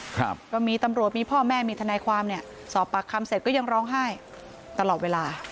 พร้อมมีที่มีพ่อแม่มีทนายความสอบปากคำเสร็จก็ยังร้องไห้ตลอดเวลา